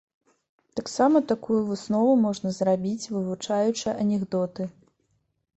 Таксама такую выснову можна зрабіць вывучаючы анекдоты.